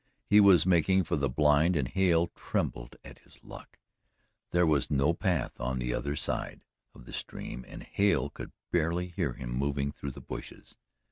He was making for the blind and Hale trembled at his luck. There was no path on the other side of the stream, and Hale could barely hear him moving through the bushes.